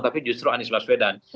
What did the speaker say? tapi justru anies baswedan